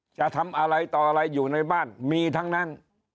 จะทำอะไรต่ออะไรอยู่ในบ้านมีทั้งนั้น